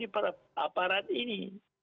para aparat ini